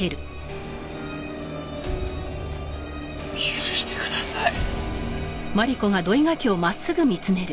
許してください。